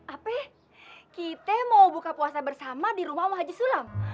apa ya kita mau buka puasa bersama di rumah wahji sulam